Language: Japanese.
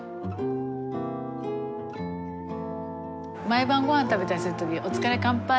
毎晩ごはん食べたりする時お疲れ乾杯。